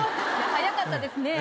早かったですね。